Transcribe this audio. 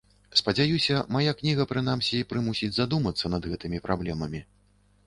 Спадзяюся, мая кніга, прынамсі, прымусіць задумацца над гэтымі праблемамі.